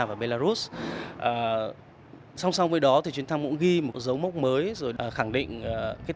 và belarus xong xong với đó thì chuyến thăm cũng ghi một dấu mốc mới rồi khẳng định các mối quan hệ